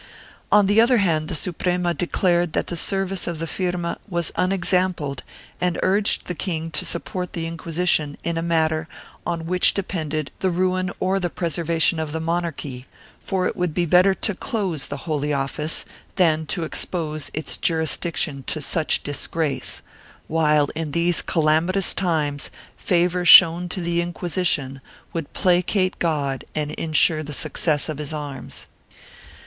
On the other hand the Suprema declared that the service of the firma was unexampled and urged the king to support the Inquisition in a matter on which depended the ruin or the pres ervation of the monarchy, for it would be better to close the Holy Office than to expose its jurisdiction to such disgrace, while in these calamitous times favor shown to the Inquisition would placate God and insure the success of his arms.